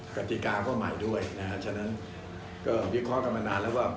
กติกาก็ใหม่ด้วยนะฮะฉะนั้นก็วิเคราะห์กันมานานแล้วว่า